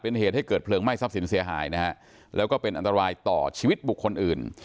เป็นเหตุให้เกิดเพลิงไหม้ทรัพย์สินเสียหายนะฮะแล้วก็เป็นอันตรายต่อชีวิตบุคคลอื่น